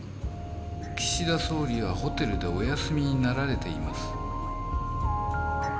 岸田総理はホテルでお休みになられています。